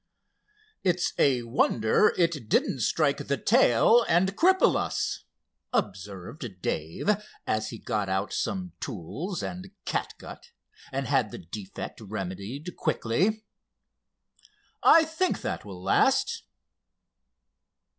"It's a wonder it didn't strike the tail and cripple us," observed Dave, as he got out some tools and catgut, and had the defect remedied quickly. "I think that will last."